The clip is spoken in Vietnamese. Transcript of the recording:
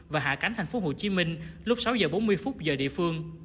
và hạ cánh thành phố hồ chí minh lúc sáu h bốn mươi giờ địa phương